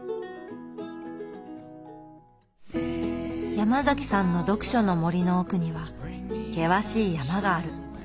ヤマザキさんの読書の森の奥には険しい山がある。